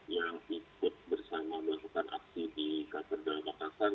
yang ikut bersama melakukan aksi di kapolda makassar